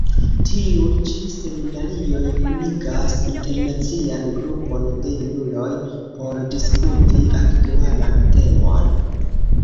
Tiuj ĉi seminarioj kunigas internacian grupon de junuloj por diskuti aktualan temon.